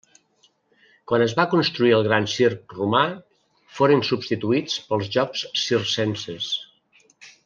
Quan es va construir el gran circ romà, foren substituïts pels jocs circenses.